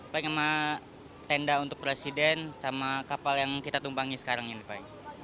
pengen sama tenda untuk presiden sama kapal yang kita tumpangi sekarang ini pak